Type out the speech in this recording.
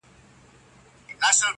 ساقي وه را بللي رقیبان څه به کوو؟!!